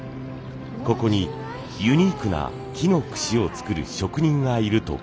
ここにユニークな木の櫛を作る職人がいると聞き。